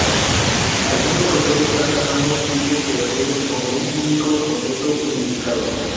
Algunos autores tratan ambos tipos de ruido como un único concepto unificado.